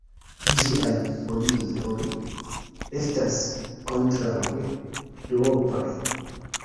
Ĝiaj folioj estas kontraŭe duopaj.